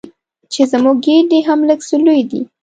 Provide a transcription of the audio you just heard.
چې زموږ ګېډې هم لږ څه لویې دي.